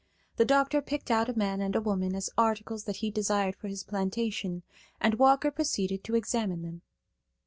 The doctor picked out a man and a woman as articles that he desired for his plantation, and Walker proceeded to examine them.